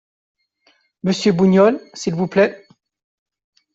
Monsieur Bougnol, s’il vous plaît ?